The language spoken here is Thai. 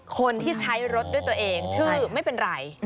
คนที่ใช้รถด้วยตัวเองชื่อไม่เป็นไร